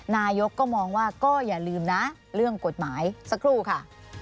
นายกก็มองว่าก็อย่าลืมนะเรื่องกฎหมายสักครู่ค่ะ